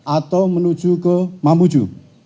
atau menuju ke mabuju